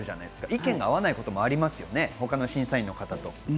意見が合わないこともありますよね、他の方と。